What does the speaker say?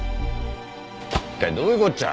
一体どういうこっちゃ？